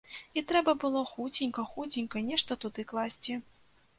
І трэба было хуценька-хуценька нешта туды класці.